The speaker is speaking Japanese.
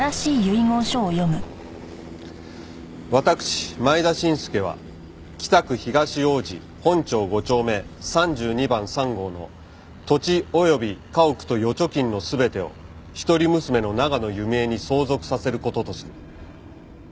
「私前田伸介は北区東王子本町五丁目三十二番三号の土地及び家屋と預貯金の全てを一人娘の長野弓枝に相続させることとする」